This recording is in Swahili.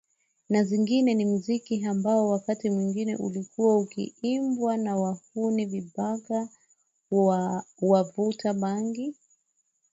na zingine Ni muziki ambao wakati mwingi ulikuwa ukiimbwa na wahuni vibaka wavuta bangi